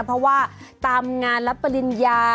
เพราะว่าตามงานรับปริญญา